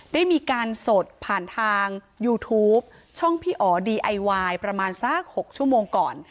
ได้มีการสดผ่านทางยูทูปช่องพี่อ๋อดีไอวายประมาณสัก๖ชั่วโมงก่อน